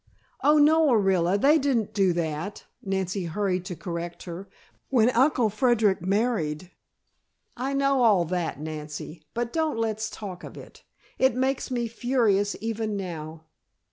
"Oh, no, Orilla, they didn't do that," Nancy hurried to correct her. "When Uncle Frederic married " "I know all that, Nancy, but don't let's talk of it. It makes me furious, even now.